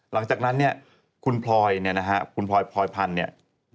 หลังจากนั้นคุณพลอยพลอยพันธุ์